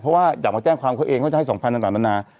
เพราะว่าอยากมาแจ้งความเขาเองเขาจะให้๒๐๐ต่างนานา